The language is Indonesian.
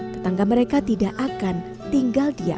tetangga mereka tidak akan tinggal diam